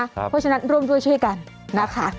เพราะฉะนั้นร่วมด้วยช่วยกันนะคะ